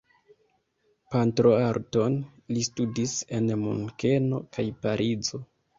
Pentroarton li studis en Munkeno kaj Parizo.